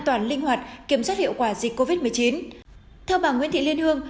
toàn linh hoạt kiểm soát hiệu quả dịch covid một mươi chín theo bà nguyễn thị liên hương